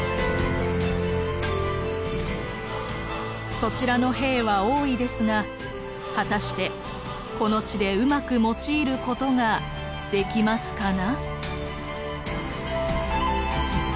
「そちらの兵は多いですが果たしてこの地でうまく用いることができますかな？」。